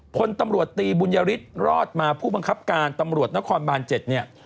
พลตำรวจตีบุญยฤทธิ์รอดมาผู้บังคับการตำรวจนครบาน๗เนี่ย